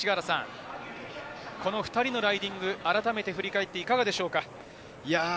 この２人のライディング、あらためて振り返っていかがですか。